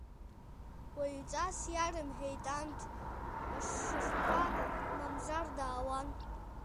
Уаҩҵас иарымҳәеит анҭ, ашихқәа, мамзар даауан.